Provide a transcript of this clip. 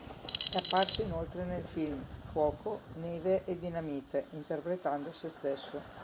È apparso inoltre nel film "Fuoco, neve e dinamite" interpretando sé stesso.